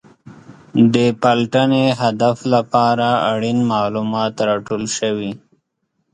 د پلټنې هدف لپاره اړین معلومات راټول شوي.